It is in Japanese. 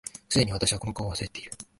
既に私はこの顔を忘れている